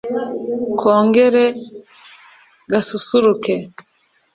kongere gasusuruke